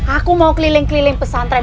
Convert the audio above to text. aku mau keliling keliling pesantren